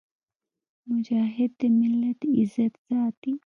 مجاهد د ملت عزت ساتي.